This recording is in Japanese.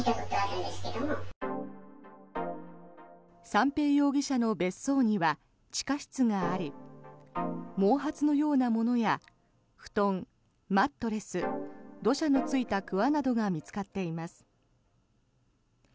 三瓶容疑者の別荘には地下室があり毛髪のようなものや布団、マットレス土砂のついたくわなどが見つかっています。